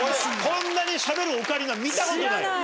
こんなに喋るオカリナ見たことない。